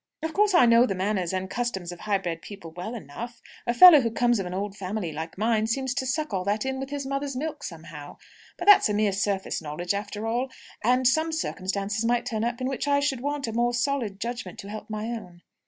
"Of course I know the manners and customs of high bred people well enough. A fellow who comes of an old family like mine seems to suck all that in with his mother's milk, somehow. But that's a mere surface knowledge, after all. And some circumstance might turn up in which I should want a more solid judgment to help my own."